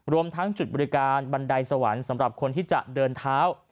รวมทั้งจุดบริการบันไดสวรรค์สำหรับคนที่จะเดินเท้า